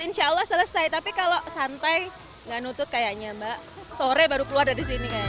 insya allah selesai tapi kalau santai gak nutut kayaknya mbak sore baru keluar dari sini kayaknya